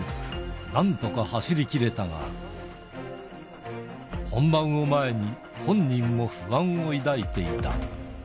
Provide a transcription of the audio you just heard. なんとか走りきれたが、本番を前に、本人も不安を抱いていた。